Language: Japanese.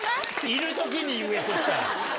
いるときに言え、そうしたら。